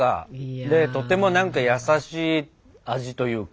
でとても何か優しい味というか。